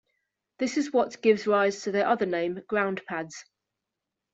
This is what gives rise to their other name 'ground pads'.